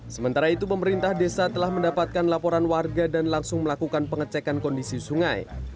sementara itu pemerintah desa telah mendapatkan laporan warga dan langsung melakukan pengecekan kondisi sungai